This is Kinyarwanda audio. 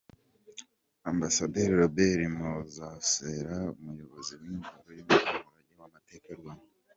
Ambasaderi Robert Masozera umuyobozi w’ingoro z’umurage w’amateka y’u Rwanda.